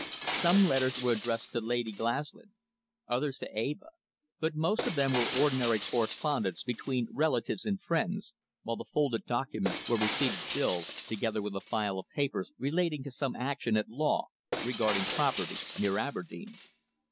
Some letters were addressed to Lady Glaslyn, others to Eva, but most of them were ordinary correspondence between relatives and friends, while the folded documents were receipted bills, together with a file of papers relating to some action at law regarding property near Aberdeen.